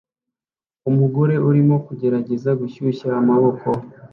Umugore arimo kugerageza gushyushya amaboko